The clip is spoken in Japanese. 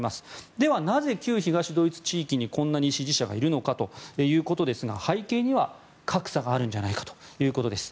では、なぜ旧東ドイツ地域にこんなに支持者がいるのかですが背景には格差があるんじゃないかということです。